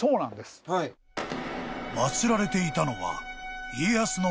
［まつられていたのは］